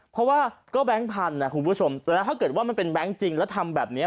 เพราะว่าก็แบงค์พันธุ์นะคุณผู้ชมแต่แล้วถ้าเกิดว่ามันเป็นแบงค์จริงแล้วทำแบบนี้